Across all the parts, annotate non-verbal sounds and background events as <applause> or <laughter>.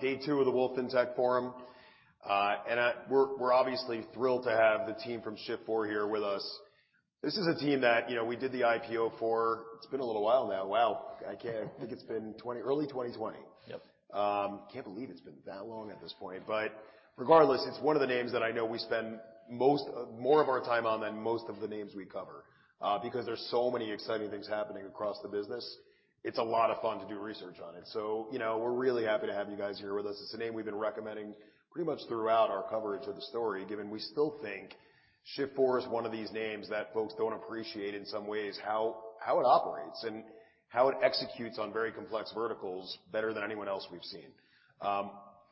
Day two of the Wolfe Research FinTech Forum. We're obviously thrilled to have the team from Shift4 here with us. This is a team that, you know, we did the IPO for. It's been a little while now. Wow. I can't. I think it's been 20, early 2020. Yep. Can't believe it's been that long at this point. Regardless, it's one of the names that I know we spend more of our time on than most of the names we cover because there's so many exciting things happening across the business. It's a lot of fun to do research on it. You know, we're really happy to have you guys here with us. It's a name we've been recommending pretty much throughout our coverage of the story, given we still think Shift4 is one of these names that folks don't appreciate in some ways how it operates and how it executes on very complex verticals better than anyone else we've seen.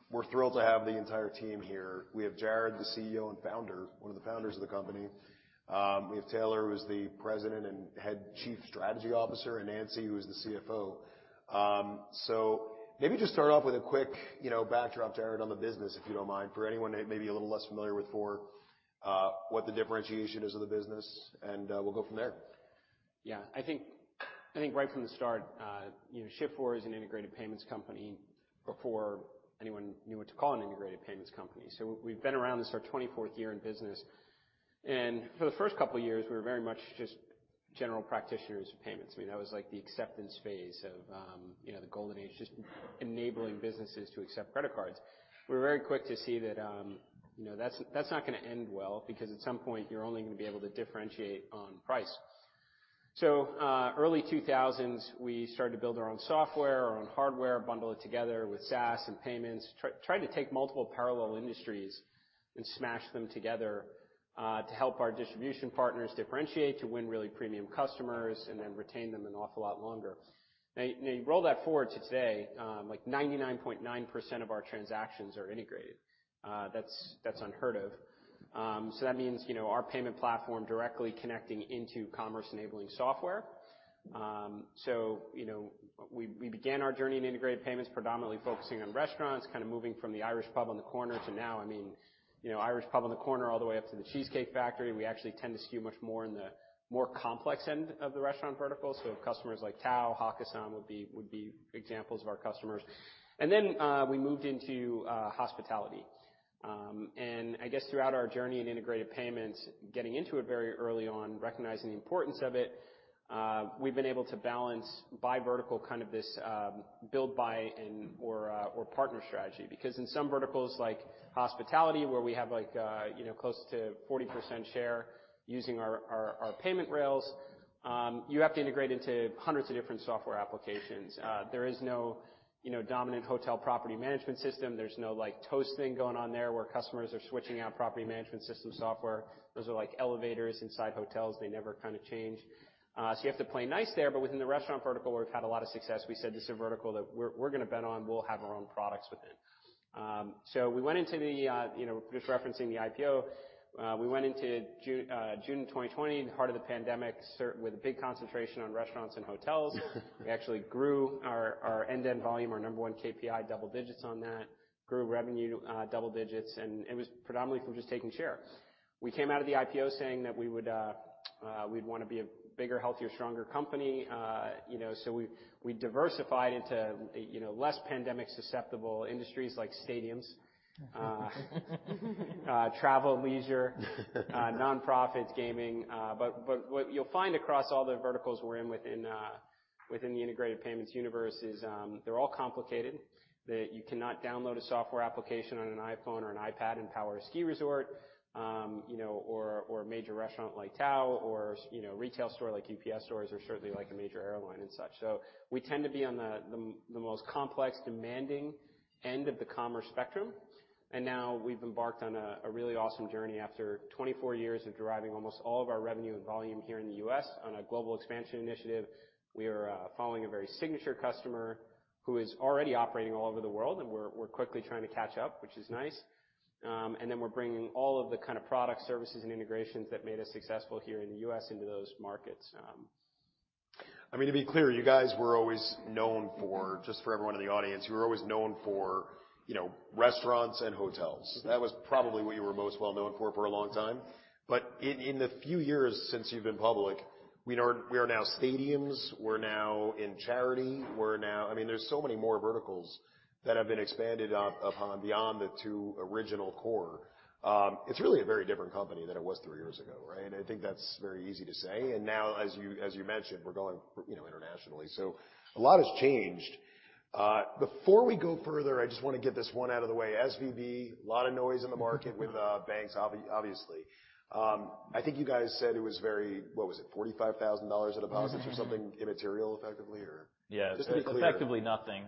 We're thrilled to have the entire team here. We have Jared, the CEO and Founder, one of the founders of the company. We have Taylor, who's the President and Head Chief Strategy Officer, and Nancy, who's the CFO. Maybe just start off with a quick, you know, backdrop, Jared, on the business, if you don't mind, for anyone maybe a little less familiar with Shift4, what the differentiation is of the business, and we'll go from there. Yeah. I think, I think right from the start, you know, Shift4 is an integrated payments company before anyone knew what to call an integrated payments company. We've been around, this is our 24th year in business. For the first couple of years, we were very much just general practitioners of payments. I mean, that was like the acceptance phase of, you know, the golden age, just enabling businesses to accept credit cards. We were very quick to see that, you know, that's not gonna end well because at some point you're only gonna be able to differentiate on price. Early 2000s, we started to build our own software, our own hardware, bundle it together with SaaS and payments. Tried to take multiple parallel industries and smash them together to help our distribution partners differentiate to win really premium customers and then retain them an awful lot longer. You roll that forward to today, like 99.9% of our transactions are integrated. That's unheard of. That means, you know, our payment platform directly connecting into commerce-enabling software. You know, we began our journey in integrated payments predominantly focusing on restaurants, kind of moving from the Irish pub on the corner to now, I mean, you know, Irish pub on the corner all the way up to The Cheesecake Factory. We actually tend to skew much more in the more complex end of the restaurant vertical. Customers like Tao, Hakkasan would be examples of our customers. Then, we moved into hospitality. I guess throughout our journey in integrated payments, getting into it very early on, recognizing the importance of it, we've been able to balance by vertical kind of this build by and or or partner strategy. In some verticals like hospitality, where we have like, you know, close to 40% share using our, our payment rails, you have to integrate into hundreds of different software applications. There is no, you know, dominant hotel property management system. There's no like Toast thing going on there where customers are switching out property management system software. Those are like elevators inside hotels. They never kind of change. You have to play nice there. Within the restaurant vertical, we've had a lot of success. We said this is a vertical that we're gonna bet on. We'll have our own products within. We went into the, you know, just referencing the IPO, we went into June 2020, the heart of the pandemic with a big concentration on restaurants and hotels. We actually grew our end-to-end volume, our number one KPI, double digits on that, grew revenue double digits, and it was predominantly from just taking share. We came out of the IPO saying that we would, we'd wanna be a bigger, healthier, stronger company. You know, we diversified into, you know, less pandemic susceptible industries like stadiums, travel, leisure, nonprofit gaming. What you'll find across all the verticals we're in within the integrated payments universe is, they're all complicated, that you cannot download a software application on an iPhone or an iPad and power a ski resort, you know, or a major restaurant like Tao or, you know, retail store like UPS Stores or certainly like a major airline and such. We tend to be on the most complex demanding end of the commerce spectrum. Now we've embarked on a really awesome journey after 24 years of deriving almost all of our revenue and volume here in the U.S. on a global expansion initiative. We are following a very signature customer who is already operating all over the world, and we're quickly trying to catch up, which is nice. We're bringing all of the kind of product services and integrations that made us successful here in the U.S. into those markets. I mean, to be clear, you guys were always known for, just for everyone in the audience, you were always known for, you know, restaurants and hotels. That was probably what you were most well known for for a long time. But in the few years since you've been public, we are now stadiums, we're now in charity, we're now. I mean, there's so many more verticals that have been expanded upon beyond the two original core. It's really a very different company than it was three years ago, right? I think that's very easy to say. Now, as you, as you mentioned, we're going, you know, internationally. A lot has changed. Before we go further, I just wanna get this one out of the way. SVB, lot of noise in the market with banks obviously. I think you guys said it was very... What was it? $45,000 in deposits or something immaterial effectively or- Yeah. Just to be clear. Effectively nothing.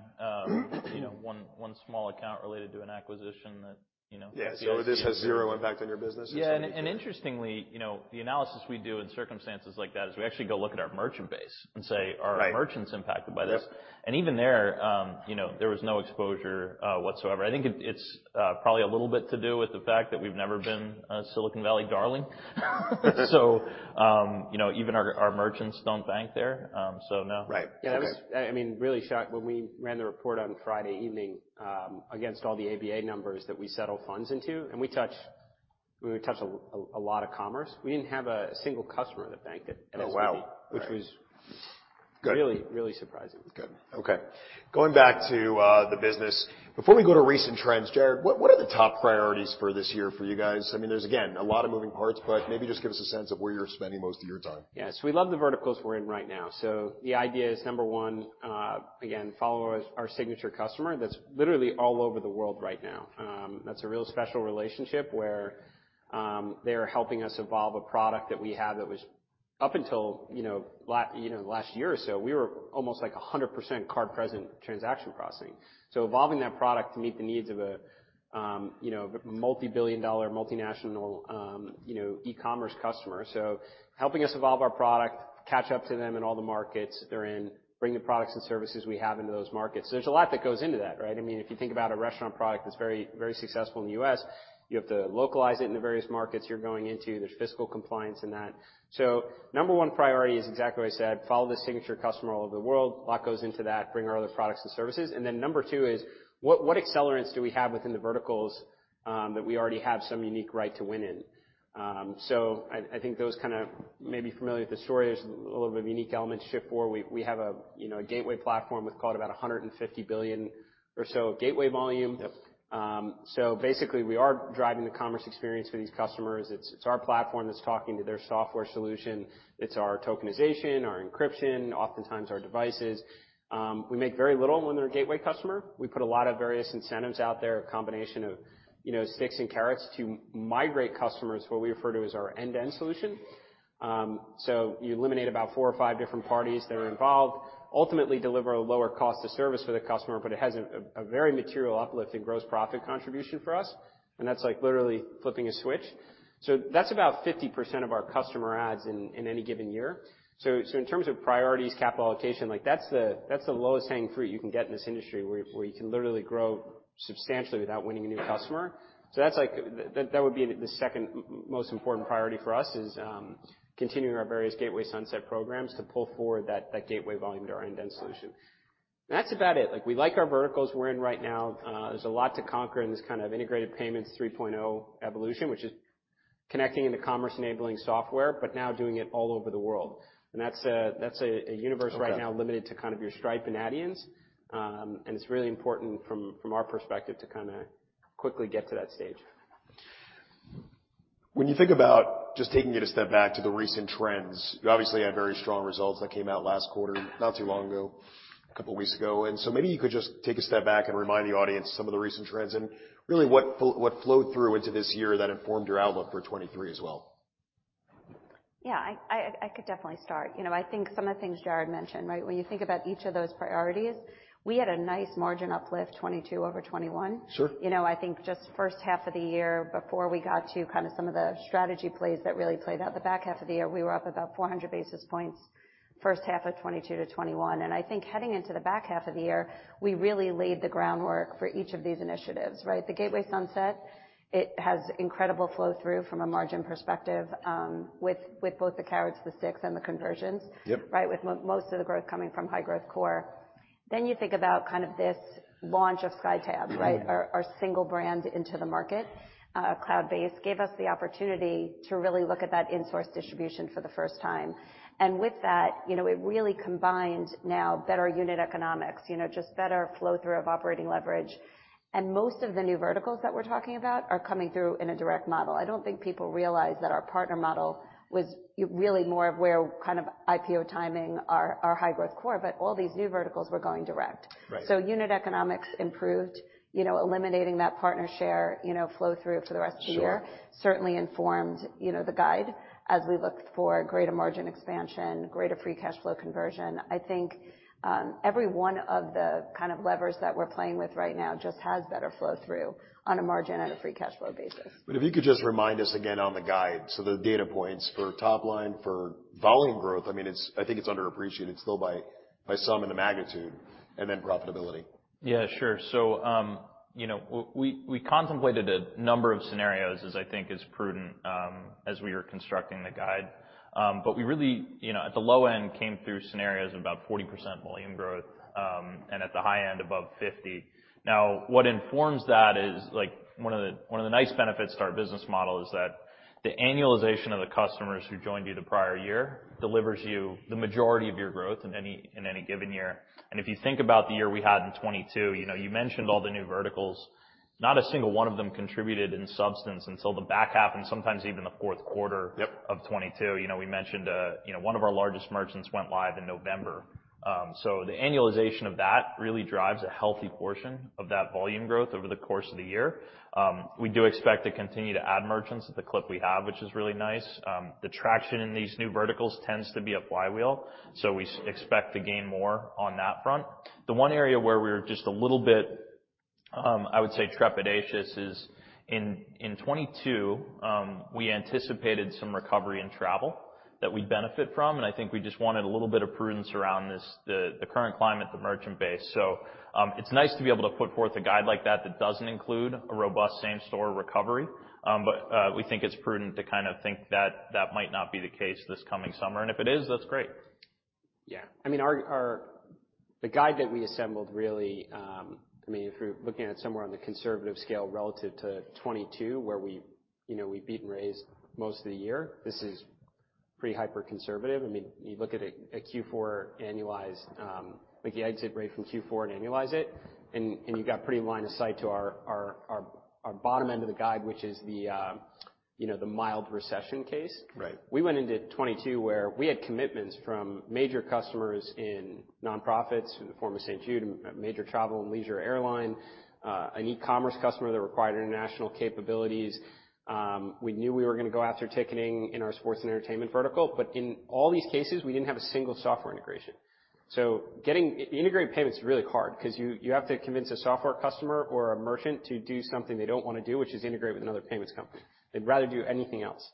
you know, one small account related to an acquisition that, you know. Yeah. This has zero impact on your business? Yeah. Interestingly, you know, the analysis we do in circumstances like that is we actually go look at our merchant base and say- Right. Are merchants impacted by this? Yep. Even there, you know, there was no exposure whatsoever. I think it's probably a little bit to do with the fact that we've never been a Silicon Valley darling. You know, even our merchants don't bank there. No. Right. Okay. Yeah, I mean, really shocked when we ran the report on Friday evening against all the ABA numbers that we settle funds into, and we would touch a lot of commerce. We didn't have a single customer in the bank that asked for me. Oh, wow. All right. Which was really surprising. Good. Okay. Going back to the business. Before we go to recent trends, Jared, what are the top priorities for this year for you guys? I mean, there's again, a lot of moving parts, but maybe just give us a sense of where you're spending most of your time. Yeah. We love the verticals we're in right now. The idea is, number one, again, follow our signature customer that's literally all over the world right now. That's a real special relationship where they are helping us evolve a product that we have that was up until, you know, last year or so, we were almost like a 100% card-present transaction processing. Evolving that product to meet the needs of a, you know, multi-billion dollar multinational, you know, e-commerce customer. Helping us evolve our product, catch up to them in all the markets they're in, bring the products and services we have into those markets. There's a lot that goes into that, right? I mean, if you think about a restaurant product that's very, very successful in the U.S., you have to localize it in the various markets you're going into. There's fiscal compliance in that. Number one priority is exactly what I said, follow the signature customer all over the world. A lot goes into that. Bring our other products and services. Then number two is what accelerants do we have within the verticals, that we already have some unique right to win in? I think those kind of may be familiar with the story. There's a little bit of unique elements, Shift4. We have a, you know, a gateway platform with about $150 billion or so gateway volume. Yep. Basically we are driving the commerce experience for these customers. It's our platform that's talking to their software solution. It's our tokenization, our encryption, oftentimes our devices. We make very little when they're a gateway customer. We put a lot of various incentives out there, a combination of, you know, sticks and carrots to migrate customers to what we refer to as our end-to-end solution. You eliminate about four or five different parties that are involved, ultimately deliver a lower cost of service for the customer, but it has a very material uplift in gross profit contribution for us, and that's like literally flipping a switch. That's about 50% of our customer adds in any given year. In terms of priorities, capital allocation, like that's the lowest hanging fruit you can get in this industry where you can literally grow substantially without winning a new customer. That's like. That would be the second most important priority for us, is continuing our various gateway sunset programs to pull forward that gateway volume to our end-to-end solution. That's about it. Like, we like our verticals we're in right now. There's a lot to conquer in this kind of integrated payments 3.0 evolution, which is connecting into commerce-enabling software, but now doing it all over the world. That's a universe right now limited to kind of your Stripe and Adyen. It's really important from our perspective to kinda quickly get to that stage. When you think about just taking it a step back to the recent trends, you obviously had very strong results that came out last quarter not too long ago, a couple weeks ago. Maybe you could just take a step back and remind the audience some of the recent trends and really what flowed through into this year that informed your outlook for 2023 as well. Yeah, I could definitely start. You know, I think some of the things Jared mentioned, right? You think about each of those priorities, we had a nice margin uplift 2022 over 2021. Sure. You know, I think just first half of the year before we got to kind of some of the strategy plays that really played out the back half of the year, we were up about 400 basis points first half of 2022 to 2021. I think heading into the back half of the year, we really laid the groundwork for each of these initiatives, right? The gateway sunset, it has incredible flow through from a margin perspective, with both the carrots, the sticks, and the conversions. Yep. Right? With most of the growth coming from high-growth core. You think about kind of this launch of SkyTab, right? Mm-hmm. Our single brand into the market, cloud-based, gave us the opportunity to really look at that in-source distribution for the first time. With that, you know, it really combined now better unit economics, you know, just better flow through of operating leverage. Most of the new verticals that we're talking about are coming through in a direct model. I don't think people realize that our partner model was really more of where kind of IPO timing our high-growth core, but all these new verticals were going direct. Right. unit economics improved, you know, eliminating that partner share, you know, flow through for the rest of the year. Certainly informed, you know, the guide as we look for greater margin expansion, greater free cash flow conversion. I think, every one of the kind of levers that we're playing with right now just has better flow through on a margin and a free cash flow basis. If you could just remind us again on the guide, the data points for top line, for volume growth, I mean, I think it's underappreciated still by some in the magnitude, and then profitability. Yeah, sure. You know, we contemplated a number of scenarios as I think is prudent, as we were constructing the guide. We really, you know, at the low end, came through scenarios of about 40% volume growth, and at the high end above 50%. What informs that is, like, one of the, one of the nice benefits to our business model is that the annualization of the customers who joined you the prior year delivers you the majority of your growth in any, in any given year. If you think about the year we had in 2022, you know, you mentioned all the new verticals. Not a single one of them contributed in substance until the back half and sometimes even the fourth quarter of 2022. You know, we mentioned, you know, one of our largest merchants went live in November. The annualization of that really drives a healthy portion of that volume growth over the course of the year. We do expect to continue to add merchants at the clip we have, which is really nice. The traction in these new verticals tends to be a flywheel, so we expect to gain more on that front. The one area where we're just a little bit, I would say trepidatious is in 2022, we anticipated some recovery in travel that we'd benefit from, and I think we just wanted a little bit of prudence around this, the current climate, the merchant base. It's nice to be able to put forth a guide like that that doesn't include a robust same-store recovery. We think it's prudent to kind of think that that might not be the case this coming summer. If it is, that's great. Yeah. I mean, our the guide that we assembled really, I mean, if you're looking at it somewhere on the conservative scale relative to 2022 where we, you know, we beat and raised most of the year, this is pretty hyper-conservative. I mean, you look at a Q4 annualized, like the exit rate from Q4 and annualize it, and you've got pretty line of sight to our bottom end of the guide, which is the, you know, the mild recession case. Right. We went into 2022 where we had commitments from major customers in nonprofits in the form of St. Jude, a major travel and leisure airline, an e-commerce customer that required international capabilities. We knew we were gonna go after ticketing in our sports and entertainment vertical, but in all these cases, we didn't have a single software integration. Getting integrated payments is really hard 'cause you have to convince a software customer or a merchant to do something they don't wanna do, which is integrate with another payments company. They'd rather do anything else.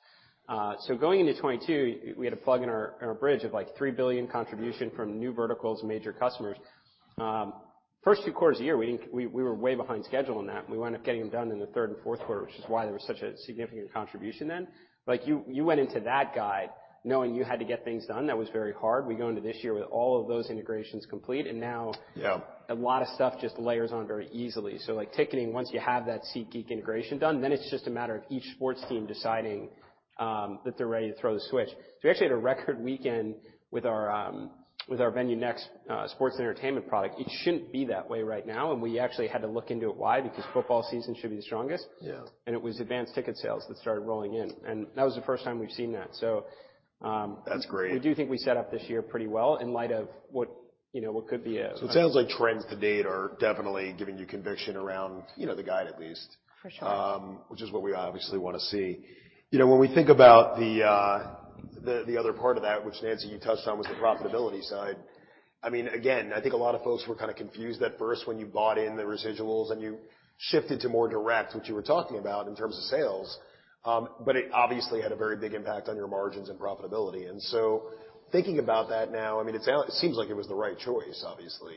Going into 2022, we had a plug in our, in our bridge of, like, $3 billion contribution from new verticals, major customers. First two quarters a year, we were way behind schedule on that. We wound up getting them done in the third and fourth quarter, which is why there was such a significant contribution then. Like, you went into that guide knowing you had to get things done. That was very hard. We go into this year with all of those integrations complete. Now. Yeah. A lot of stuff just layers on very easily. Like, ticketing, once you have that SeatGeek integration done, then it's just a matter of each sports team deciding that they're ready to throw the switch. We actually had a record weekend with our with our VenueNext sports and entertainment product. It shouldn't be that way right now, and we actually had to look into it why because football season should be the strongest. Yeah. It was advanced ticket sales that started rolling in, and that was the first time we've seen that. That's great. We do think we set up this year pretty well in light of what, you know, what could be. It sounds like trends to date are definitely giving you conviction around, you know, the guide at least. For sure. Which is what we obviously wanna see. You know, when we think about the other part of that, which, Nancy, you touched on, was the profitability side. I mean, again, I think a lot of folks were kinda confused at first when you bought in the residuals and you shifted to more direct, which you were talking about in terms of sales. But it obviously had a very big impact on your margins and profitability. Thinking about that now, I mean, it seems like it was the right choice, obviously.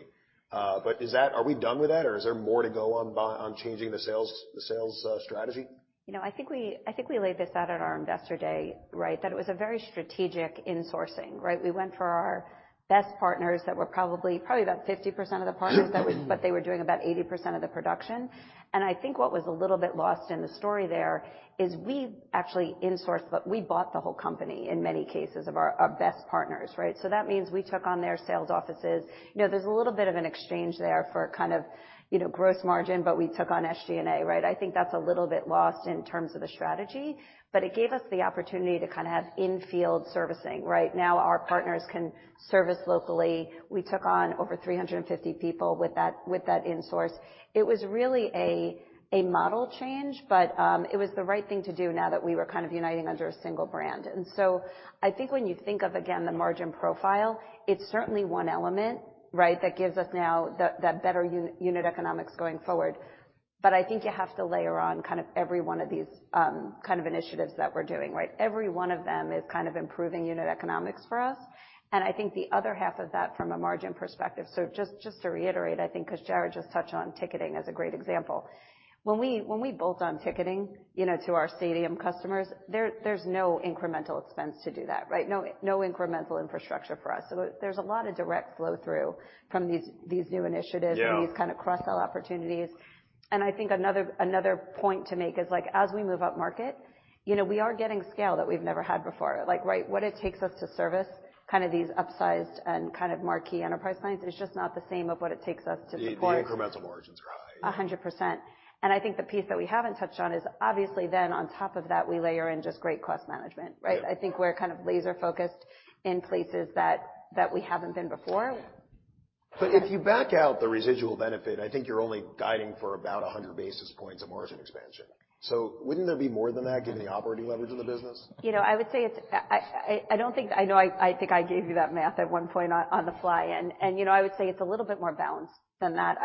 But are we done with that, or is there more to go on changing the sales strategy? You know, I think we laid this out at our investor day, right? That it was a very strategic insourcing, right? We went for our best partners that were probably about 50% of the partners. They were doing about 80% of the production. I think what was a little bit lost in the story there is we actually insourced, but we bought the whole company in many cases of our best partners, right? That means we took on their sales offices. You know, there's a little bit of an exchange there for kind of, you know, gross margin, but we took on SG&A, right? I think that's a little bit lost in terms of the strategy, but it gave us the opportunity to kind of have in-field servicing, right? Now our partners can service locally. We took on over 350 people with that insource. It was really a model change, but it was the right thing to do now that we were kind of uniting under a single brand. I think when you think of, again, the margin profile, it's certainly one element, right, that gives us now that better unit economics going forward. I think you have to layer on kind of every one of these kind of initiatives that we're doing, right? Every one of them is kind of improving unit economics for us. I think the other half of that from a margin perspective, so just to reiterate, I think, 'cause Jared just touched on ticketing as a great example. When we bolt on ticketing, you know, to our stadium customers, there's no incremental expense to do that, right? No incremental infrastructure for us. There's a lot of direct flow-through from these new initiatives- Yeah. These kind of cross-sell opportunities. I think another point to make is, like, as we move upmarket, you know, we are getting scale that we've never had before. Like, right, what it takes us to service kind of these upsized and kind of marquee enterprise clients is just not the same of what it takes us to deploy- The incremental margins are high. 100%. I think the piece that we haven't touched on is obviously then on top of that, we layer in just great cost management, right? Yeah. I think we're kind of laser-focused in places that we haven't been before. If you back out the residual benefit, I think you're only guiding for about 100 basis points of margin expansion. Wouldn't there be more than that given the operating leverage of the business? You know, I would say it's... I know I think I gave you that math at one point on the fly. You know, I would say it's a little bit more balanced than that.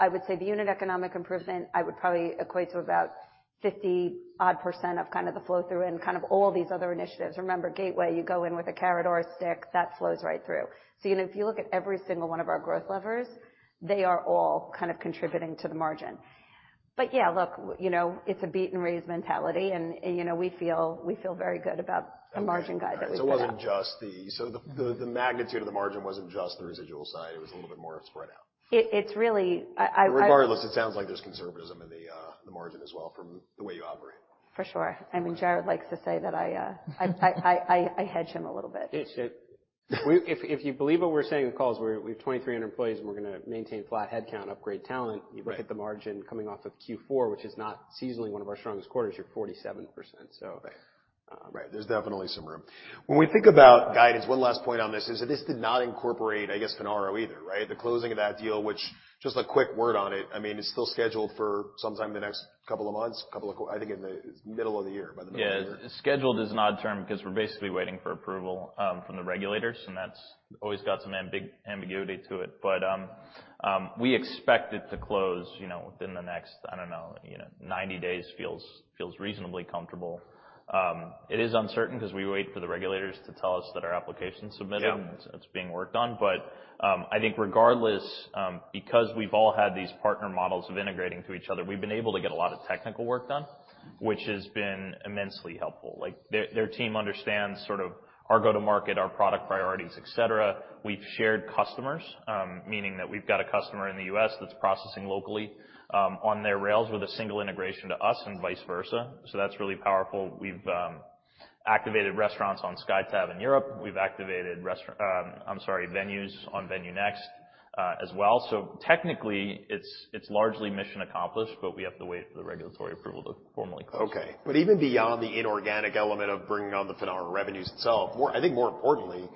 I would say the unit economic improvement, I would probably equate to about 50%-odd of kind of the flow-through and kind of all these other initiatives. Remember, Gateway, you go in with a carrot or a stick, that flows right through. You know, if you look at every single one of our growth levers, they are all kind of contributing to the margin. Yeah, look, you know, it's a beat and raise mentality, and you know, we feel very good about the margin guide that we put out. It wasn't just the magnitude of the margin wasn't just the residual side, it was a little bit more spread out. It's really. Regardless, it sounds like there's conservatism in the margin as well from the way you operate. For sure. I mean, Jared likes to say that I hedge him a little bit. If you believe what we're saying in calls, we've 2,300 employees, and we're gonna maintain flat headcount, upgrade talent. Right. You look at the margin coming off of Q4, which is not seasonally one of our strongest quarters, you're 47%. Right. Um. Right. There's definitely some room. When we think about guidance, one last point on this is that this did not incorporate, I guess, Finaro either, right? The closing of that deal, which just a quick word on it, I mean, it's still scheduled for sometime in the next couple of months, I think in the middle of the year, by the middle of the year. Yeah. Scheduled is an odd term because we're basically waiting for approval, from the regulators, and that's always got some ambiguity to it. We expect it to close, you know, within the next, I don't know, you know, 90 days feels reasonably comfortable. It is uncertain because we wait for the regulators to tell us that our application's submitted. Yeah. It's being worked on. I think regardless, because we've all had these partner models of integrating to each other, we've been able to get a lot of technical work done, which has been immensely helpful. Like, their team understands sort of our go-to-market, our product priorities, et cetera. We've shared customers, meaning that we've got a customer in the U.S. that's processing locally on their rails with a single integration to us and vice versa. That's really powerful. We've activated restaurants on SkyTab in Europe. We've activated venues on VenueNext as well. Technically, it's largely mission accomplished, but we have to wait for the regulatory approval to formally close. Okay. even beyond the inorganic element of bringing on the Finaro revenues itself, I think more importantly,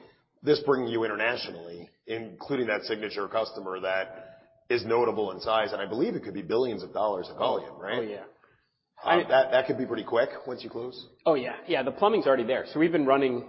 this bringing you internationally, including that signature customer that is notable in size, and I believe it could be billions of dollars of volume, right? Oh, yeah. That could be pretty quick once you close. Oh, yeah. Yeah, the plumbing's already there. We've been running,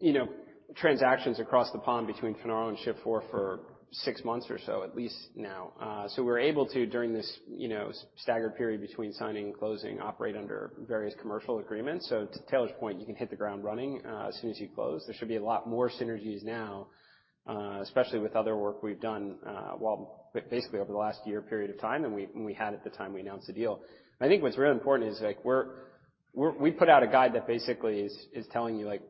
you know, transactions across the pond between Finaro and Shift4 for six months or so, at least now. We're able to, during this, you know, staggered period between signing and closing, operate under various commercial agreements. To Taylor's point, you can hit the ground running, as soon as you close. There should be a lot more synergies now, especially with other work we've done, basically over the last year period of time than we had at the time we announced the deal. I think what's really important is, like, we're we put out a guide that basically is telling you, like,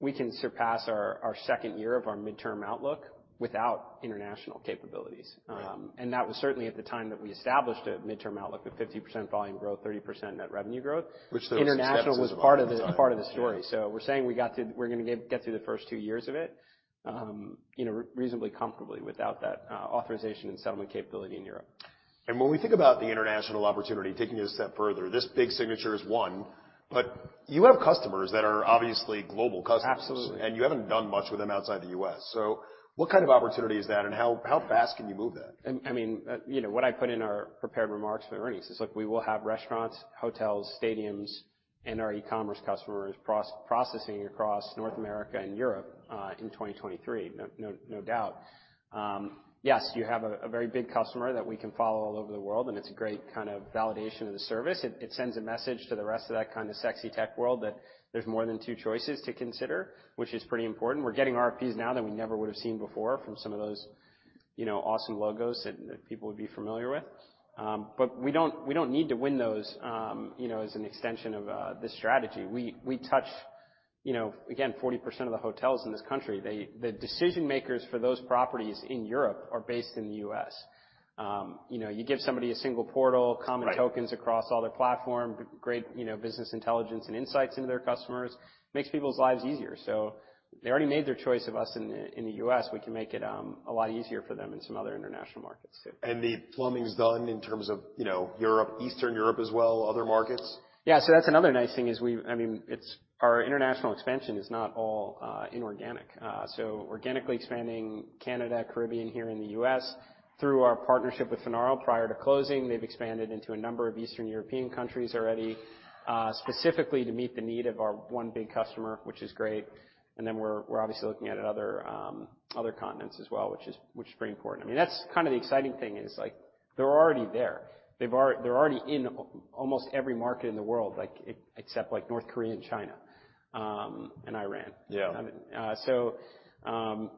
we can surpass our second year of our midterm outlook without international capabilities. That was certainly at the time that we established a midterm outlook of 50% volume growth, 30% net revenue growth. <crosstalk> Which there was skepticism on at the time. <crosstalk> International was part of the story. We're saying we're gonna get through the first two years of it, you know, reasonably comfortably without that authorization and settlement capability in Europe. When we think about the international opportunity, taking it a step further, this big signature is one, but you have customers that are obviously global customers. Absolutely. You haven't done much with them outside the U.S. What kind of opportunity is that, and how fast can you move that? I mean, you know, what I put in our prepared remarks for the earnings is, look, we will have restaurants, hotels, stadiums, and our e-commerce customers processing across North America and Europe, in 2023, no doubt. Yes, you have a very big customer that we can follow all over the world, and it's a great kind of validation of the service. It sends a message to the rest of that kind of sexy tech world that there's more than two choices to consider, which is pretty important. We're getting RFPs now that we never would have seen before from some of those, you know, awesome logos that people would be familiar with. We don't need to win those, you know, as an extension of this strategy. We touch, you know, again, 40% of the hotels in this country. The decision makers for those properties in Europe are based in the US. You know, you give somebody a single portal, common tokens across all their platform, great, you know, business intelligence and insights into their customers, makes people's lives easier. They already made their choice of us in the, in the U.S. We can make it a lot easier for them in some other international markets too. The plumbing's done in terms of, you know, Europe, Eastern Europe as well, other markets? That's another nice thing is I mean, it's our international expansion is not all inorganic. Organically expanding Canada, Caribbean, here in the U.S., through our partnership with Finaro prior to closing, they've expanded into a number of Eastern European countries already, specifically to meet the need of our one big customer, which is great. We're, we're obviously looking at other continents as well, which is, which is very important. I mean, that's kind of the exciting thing is, like, they're already there. They're already in almost every market in the world, like, except like North Korea and China, and Iran. Yeah. I mean,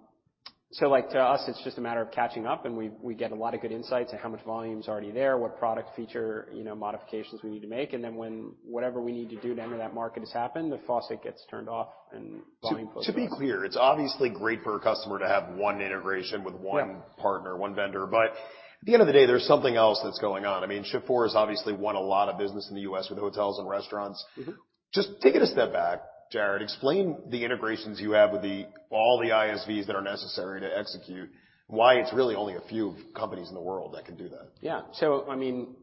so, like, to us, it's just a matter of catching up, and we get a lot of good insights on how much volume is already there, what product feature, you know, modifications we need to make. When whatever we need to do to enter that market has happened, the faucet gets turned off and volume flows out. To be clear, it's obviously great for a customer to have one integration with one-partner, one vendor. At the end of the day, there's something else that's going on. I mean, Shift4 has obviously won a lot of business in the U.S. with hotels and restaurants. Mm-hmm. Just taking a step back, Jared, explain the integrations you have with the, all the ISVs that are necessary to execute, why it's really only a few companies in the world that can do that. I mean,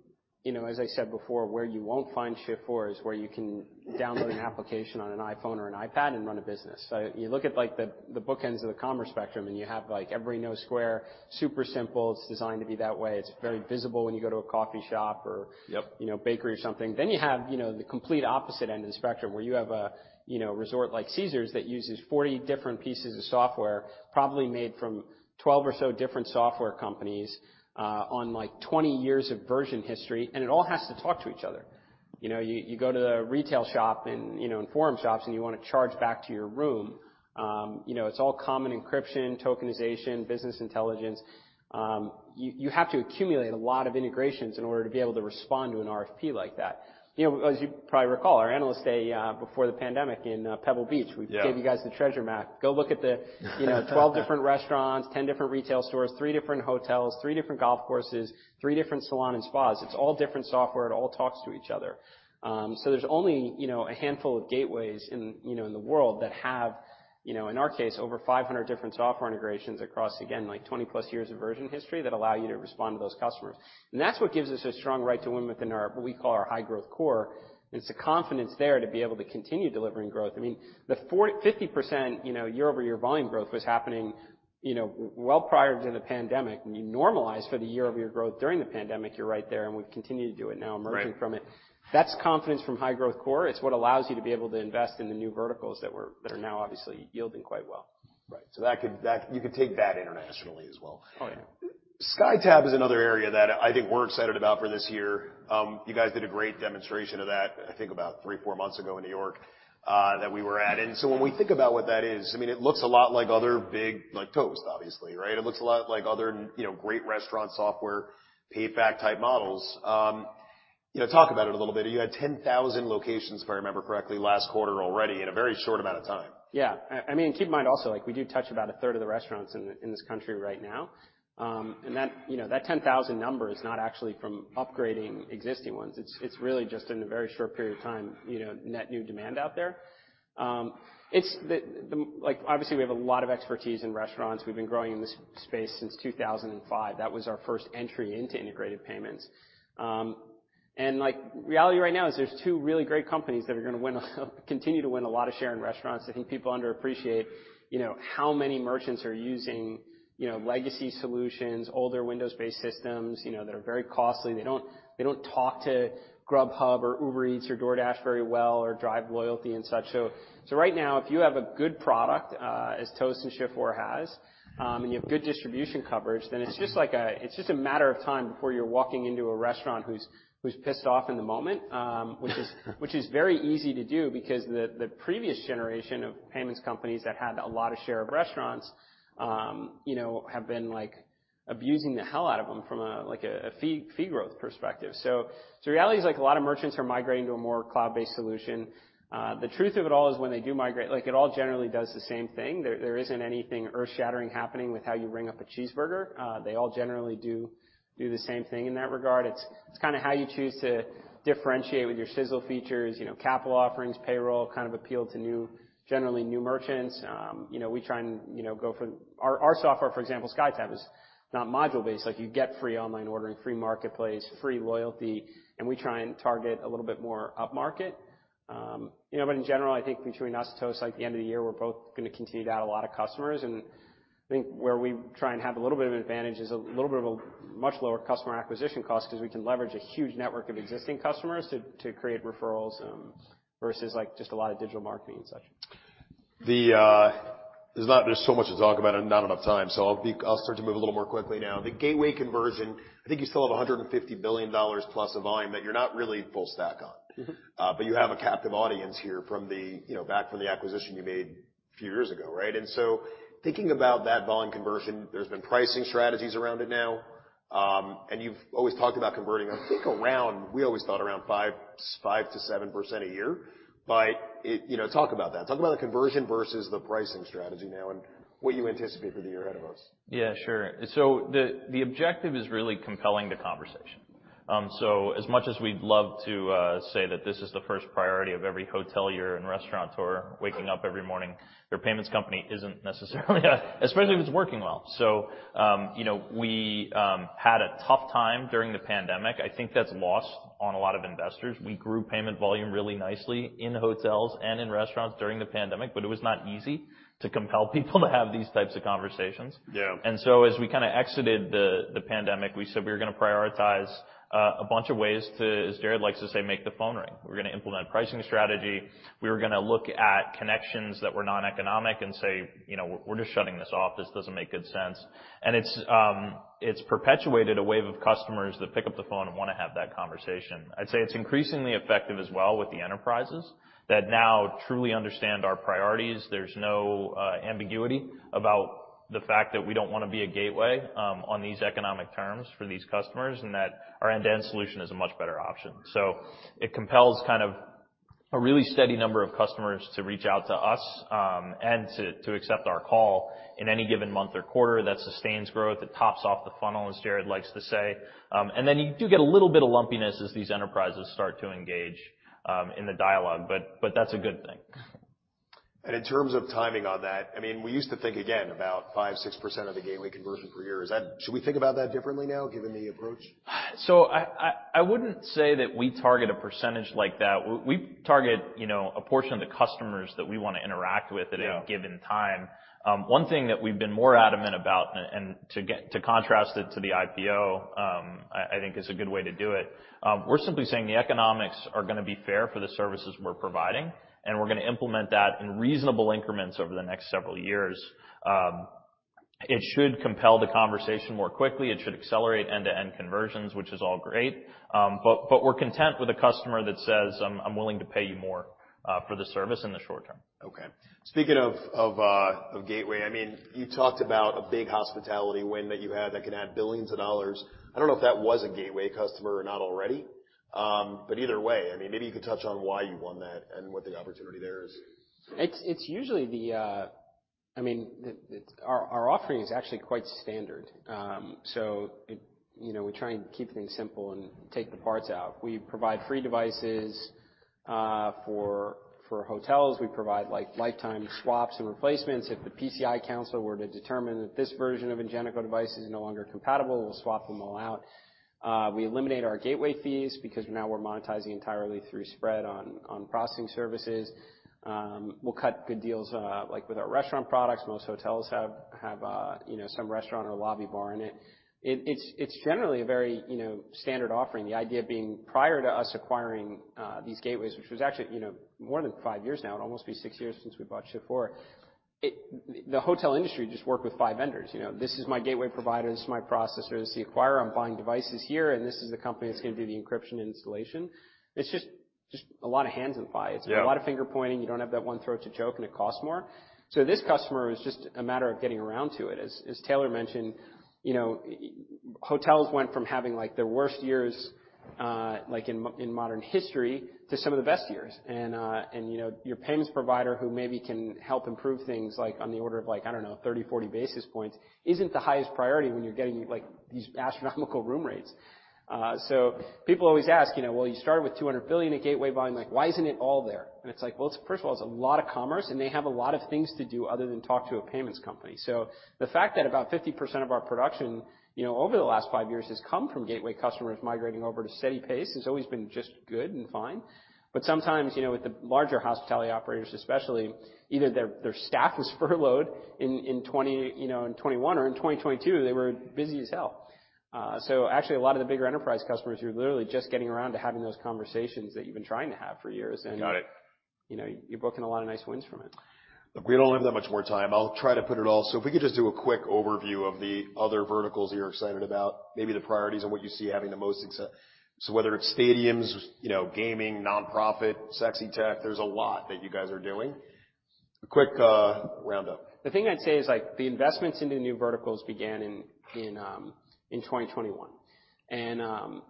you know, as I said before, where you won't find Shift4 is where you can download an application on an iPhone or an iPad and run a business. You look at, like, the bookends of the commerce spectrum, and you have, like, every know Square, super simple. It's designed to be that way. It's very visible when you go to a coffee shop. Yep. you know, bakery or something. You have, you know, the complete opposite end of the spectrum, where you have a, you know, resort like Caesars that uses 40 different pieces of software, probably made from 12 or so different software companies, on, like, 20 years of version history, and it all has to talk to each other. You know, you go to a retail shop and, you know, in The Forum Shops, and you wanna charge back to your room. You know, it's all common encryption, tokenization, business intelligence. You, you have to accumulate a lot of integrations in order to be able to respond to an RFP like that. You know, as you probably recall, our analyst day, before the pandemic in Pebble Beach. Yeah. We gave you guys the treasure map. Go look at you know, 12 different restaurants, 10 different retail stores, three different hotels, three different golf courses, three different salon and spas. It's all different software. It all talks to each other. there's only, you know, a handful of gateways in, you know, in the world that have, you know, in our case, over 500 different software integrations across, again, like 20-plus years of version history that allow you to respond to those customers. That's what gives us a strong right to win within our, what we call our high-growth core. It's the confidence there to be able to continue delivering growth. I mean, the 40%-50%, you know, year-over-year volume growth was happening, you know, well prior to the pandemic. When you normalize for the year-over-year growth during the pandemic, you're right there, and we've continued to do it now emerging from it. Right. That's confidence from high-growth core. It's what allows you to be able to invest in the new verticals that are now obviously yielding quite well. Right. That could, you could take that internationally as well. Oh, yeah. SkyTab is another area that I think we're excited about for this year. You guys did a great demonstration of that, I think about three, four months ago in New York that we were at. When we think about what that is, I mean, it looks a lot like other big, like Toast, obviously, right? It looks a lot like other, you know, great restaurant software, payback type models. You know, talk about it a little bit. You had 10,000 locations, if I remember correctly, last quarter already in a very short amount of time. Yeah. I mean, keep in mind also, like we do touch about a third of the restaurants in this country right now. That, you know, that 10,000 number is not actually from upgrading existing ones. It's really just in a very short period of time, you know, net new demand out there. It's like, obviously we have a lot of expertise in restaurants. We've been growing in this space since 2005. That was our first entry into integrated payments. Like reality right now is there's two really great companies that are gonna win continue to win a lot of share in restaurants. I think people underappreciate, you know, how many merchants are using, you know, legacy solutions, older Windows-based systems, you know, that are very costly. They don't talk to Grubhub or Uber Eats or DoorDash very well or drive loyalty and such. Right now, if you have a good product, as Toast and Shift4 has, and you have good distribution coverage, it's just a matter of time before you're walking into a restaurant who's pissed off in the moment, which is very easy to do because the previous generation of payments companies that had a lot of share of restaurants, you know, have been like abusing the hell out of them from a fee growth perspective. Reality is like a lot of merchants are migrating to a more cloud-based solution. The truth of it all is when they do migrate, like all generally does the same thing. There isn't anything earth-shattering happening with how you ring up a cheeseburger. They all generally do the same thing in that regard. It's kinda how you choose to differentiate with your sizzle features. You know, capital offerings, payroll, kind of appeal to new, generally new merchants. You know, we try and Our software, for example, SkyTab, is not module-based. Like you get free online ordering, free marketplace, free loyalty, and we try and target a little bit more upmarket. You know, in general, I think between us and Toast, like the end of the year, we're both gonna continue to add a lot of customers. I think where we try and have a little bit of an advantage is a little bit of a much lower customer acquisition cost 'cause we can leverage a huge network of existing customers to create referrals, versus like just a lot of digital marketing and such. There's so much to talk about and not enough time, I'll start to move a little more quickly now. The gateway conversion, I think you still have $150 billion plus of volume that you're not really full stack on. You have a captive audience here from the, you know, back from the acquisition you made a few years ago, right? Thinking about that volume conversion, there's been pricing strategies around it now. You've always talked about converting, I think, around, we always thought around 5%-7% a year. You know, talk about that. Talk about the conversion versus the pricing strategy now and what you anticipate for the year ahead of us. Yeah, sure. The objective is really compelling the conversation. As much as we'd love to say that this is the first priority of every hotelier and restaurateur waking up every morning, their payments company isn't necessarily especially if it's working well. You know, we had a tough time during the pandemic. I think that's lost on a lot of investors. We grew payment volume really nicely in hotels and in restaurants during the pandemic, but it was not easy to compel people to have these types of conversations. Yeah. As we kinda exited the pandemic, we said we were gonna prioritize a bunch of ways to, as Jared likes to say, make the phone ring. We were gonna implement pricing strategy. We were gonna look at connections that were noneconomic and say, you know, "We're just shutting this off. This doesn't make good sense." It's perpetuated a wave of customers that pick up the phone and wanna have that conversation. I'd say it's increasingly effective as well with the enterprises that now truly understand our priorities. There's no ambiguity about the fact that we don't wanna be a gateway on these economic terms for these customers, and that our end-to-end solution is a much better option. It compels kind of a really steady number of customers to reach out to us, and to accept our call in any given month or quarter. That sustains growth. It tops off the funnel, as Jared likes to say. You do get a little bit of lumpiness as these enterprises start to engage in the dialogue, but that's a good thing. In terms of timing on that, I mean, we used to think, again, about 5%, 6% of the gateway conversion per year. Should we think about that differently now given the approach? I wouldn't say that we target a percentage like that. We target, you know, a portion of the customers that we wanna interact with at any given time. One thing that we've been more adamant about and to contrast it to the IPO, I think is a good way to do it. We're simply saying the economics are gonna be fair for the services we're providing, and we're gonna implement that in reasonable increments over the next several years. It should compel the conversation more quickly. It should accelerate end-to-end conversions, which is all great. But we're content with a customer that says, "I'm willing to pay you more for the service in the short term. Speaking of gateway, I mean, you talked about a big hospitality win that you had that could add billions of dollars. I don't know if that was a gateway customer or not already. Either way, I mean, maybe you could touch on why you won that and what the opportunity there is. It's usually, I mean, Our offering is actually quite standard. You know, we try and keep things simple and take the parts out. We provide free devices for hotels. We provide, like, lifetime swaps and replacements. If the PCI Council were to determine that this version of Ingenico device is no longer compatible, we'll swap them all out. We eliminate our gateway fees because now we're monetizing entirely through spread on processing services. We'll cut good deals, like with our restaurant products. Most hotels have, you know, some restaurant or lobby bar in it. It's generally a very, you know, standard offering, the idea being prior to us acquiring these gateways, which was actually, you know, more than five years now, it'll almost be six years since we bought Shift4. The hotel industry just worked with five vendors, you know. This is my gateway provider, this is my processor, this is the acquirer. I'm buying devices here, and this is the company that's gonna do the encryption and installation. It's just a lot of hands in pies. Yeah. A lot of finger pointing. You don't have that one throat to choke, and it costs more. This customer is just a matter of getting around to it. As Taylor mentioned, you know, hotels went from having, like, the worst years, like in modern history to some of the best years. You know, your payments provider who maybe can help improve things like on the order of like, I don't know, 30, 40 basis points isn't the highest priority when you're getting, like, these astronomical room rates. People always ask, you know, "Well, you started with $200 billion in gateway volume. Like, why isn't it all there?" It's like, well, first of all, it's a lot of commerce, and they have a lot of things to do other than talk to a payments company. The fact that about 50% of our production, you know, over the last five years has come from gateway customers migrating over to steady pace has always been just good and fine. Sometimes, you know, with the larger hospitality operators especially, either their staff was furloughed in 2020, you know, in 2021 or in 2022, they were busy as hell. Actually a lot of the bigger enterprise customers are literally just getting around to having those conversations that you've been trying to have for years. Got it. You know, you're booking a lot of nice wins from it. Look, we don't have that much more time. I'll try to put it all. If we could just do a quick overview of the other verticals you're excited about, maybe the priorities and what you see having the most success. Whether it's stadiums, you know, gaming, nonprofit, sexy tech, there's a lot that you guys are doing. A quick roundup. The thing I'd say is like the investments into new verticals began in 2021.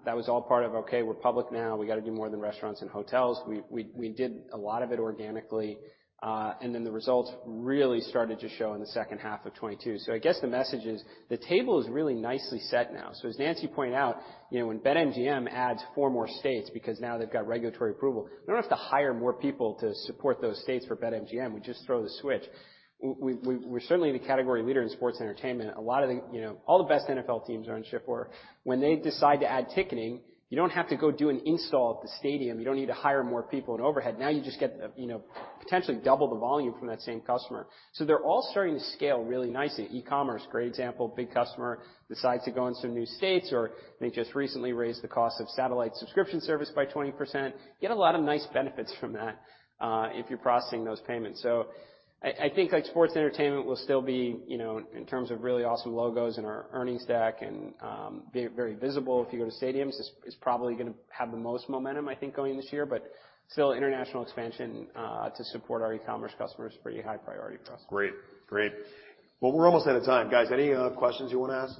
That was all part of, okay, we're public now. We got to do more than restaurants and hotels. We did a lot of it organically, the results really started to show in the second half of 2022. I guess the message is the table is really nicely set now. As Nancy pointed out, you know, when BetMGM adds four more states because now they've got regulatory approval, they don't have to hire more people to support those states for BetMGM. We just throw the switch. We're certainly the category leader in sports entertainment. A lot of the, you know, all the best NFL teams are on Shift4. When they decide to add ticketing, you don't have to go do an install at the stadium. You don't need to hire more people in overhead. Now you just get, you know, potentially double the volume from that same customer. They're all starting to scale really nicely. E-commerce, great example. Big customer decides to go into some new states, or they just recently raised the cost of satellite subscription service by 20%. Get a lot of nice benefits from that, if you're processing those payments. I think like sports entertainment will still be, you know, in terms of really awesome logos in our earnings stack and be very visible if you go to stadiums. It's probably gonna have the most momentum, I think, going this year. Still international expansion to support our e-commerce customers, pretty high priority for us. Great. Well, we're almost out of time. Guys, any other questions you wanna ask?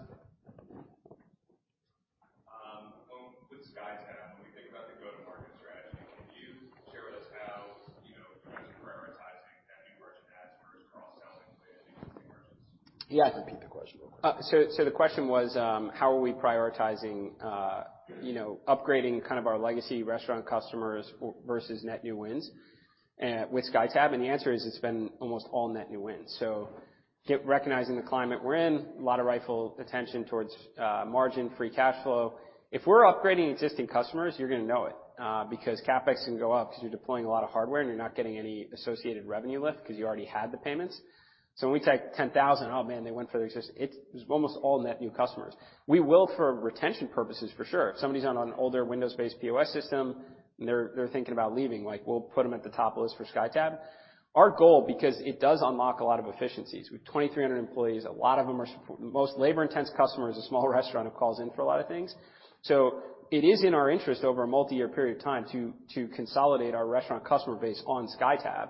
With SkyTab, when we think about the go-to-market strategy, can you share with us how, you know, you guys are prioritizing net new merchants as versus cross-selling to existing merchants? Yeah. Repeat the question real quick. The question was, you know, how are we prioritizing upgrading kind of our legacy restaurant customers versus net new wins with SkyTab? The answer is it's been almost all net new wins. Recognizing the climate we're in, a lot of rightful attention towards margin, free cash flow. If we're upgrading existing customers, you're gonna know it because CapEx can go up 'cause you're deploying a lot of hardware, and you're not getting any associated revenue lift 'cause you already had the payments. When we take 10,000, oh man, it's almost all net new customers. We will for retention purposes, for sure. If somebody's on an older Windows-based POS system and they're thinking about leaving, like we'll put them at the top of the list for SkyTab. Our goal, because it does unlock a lot of efficiencies. We have 2,300 employees. A lot of them are most labor intense customer is a small restaurant who calls in for a lot of things. It is in our interest over a multi-year period of time to consolidate our restaurant customer base on SkyTab.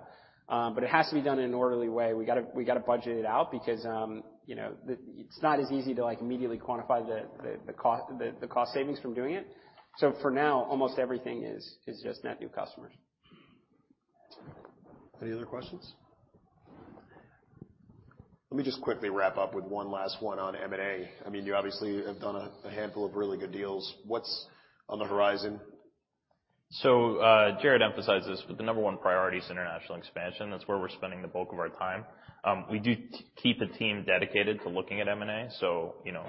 It has to be done in an orderly way. We gotta budget it out because, you know, it's not as easy to, like, immediately quantify the cost, the cost savings from doing it. For now, almost everything is just net new customers. Any other questions? Let me just quickly wrap up with one last one on M&A. I mean, you obviously have done a handful of really good deals. What's on the horizon? Jared emphasized this, but the number one priority is international expansion. That's where we're spending the bulk of our time. We do keep a team dedicated to looking at M&A. You know,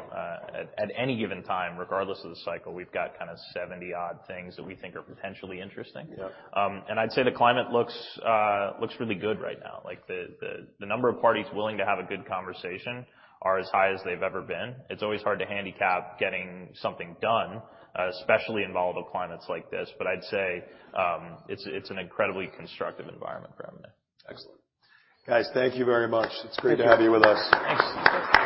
at any given time, regardless of the cycle, we've got kinda 70 odd things that we think are potentially interesting. Yeah. I'd say the climate looks really good right now. Like the number of parties willing to have a good conversation are as high as they've ever been. It's always hard to handicap getting something done, especially in volatile climates like this. I'd say, it's an incredibly constructive environment for M&A. Excellent. Guys, thank you very much. It's great to have you with us.